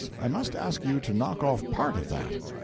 I must ask you to knock off part of that.'